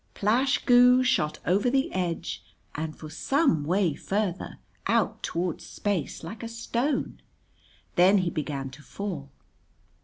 Plash Goo shot over the edge and for some way further, out towards Space, like a stone; then he began to fall.